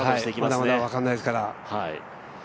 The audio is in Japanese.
まだまだ分かんないですから。